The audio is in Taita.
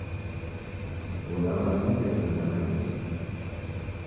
W'uda ghwadaw'unja isanga nanyuma